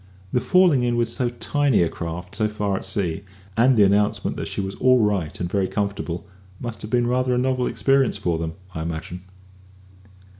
The falling in with so tiny a craft so far at sea, and in a gale of wind, and the announcement that she was "all right and very comfortable," must have been rather a novel experience for them, I imagine.